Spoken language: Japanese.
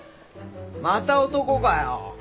また男かよ。